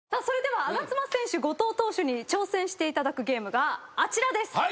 それでは我妻選手後藤投手に挑戦していただくゲームがあちらです。